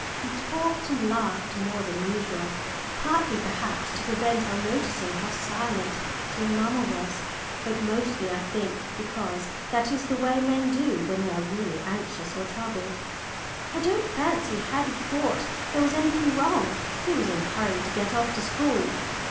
He talked and laughed more than usual, partly perhaps to prevent our noticing how silent dear mamma was, but mostly I think because that is the way men do when they are really anxious or troubled. I don't fancy Haddie thought there was anything wrong he was in a hurry to get off to school.